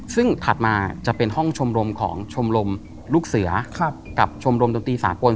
ซึ่งถัดมาจะเป็นห้องชมรมของชมรมลูกเสือกับชมรมดนตรีสากล